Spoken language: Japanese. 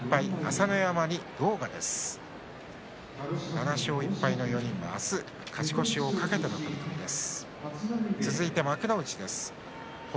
７勝１敗の４人が明日勝ち越しを懸けた取組です。